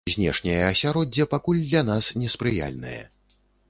Знешняе асяроддзе пакуль для нас неспрыяльнае.